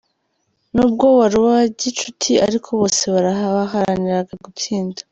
Nubwo wari uwa gicuti ariko bose baharaniraga gutsinda.